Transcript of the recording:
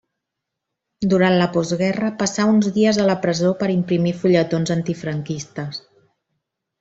Durant la postguerra passà uns dies a la presó per imprimir fulletons antifranquistes.